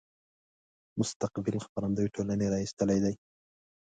مستقبل خپرندويه ټولنې را ایستلی دی.